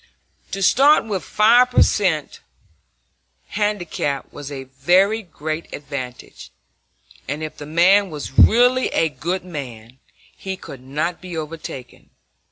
To start with five per cent handicap was a very great advantage; and if the man was really a good man, he could not be overtaken.